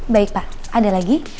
baik pak ada lagi